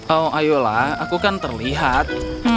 oh ayolah aku kan terlihat